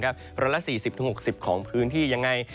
ร้อยละ๔๐๖๐ของพื้นที่ยังไง